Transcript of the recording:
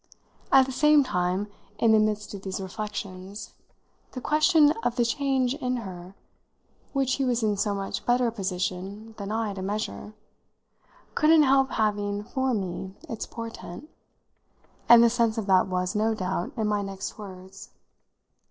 At the same time, in the midst of these reflections, the question of the "change" in her, which he was in so much better a position than I to measure, couldn't help having for me its portent, and the sense of that was, no doubt, in my next words.